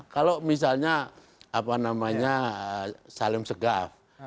kalau misalnya apa namanya salim segaf